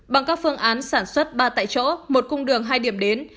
bằng các phương án sản xuất ba tại chỗ một cung đường hai điểm đến